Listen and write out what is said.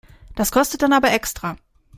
Das kostet dann aber extra.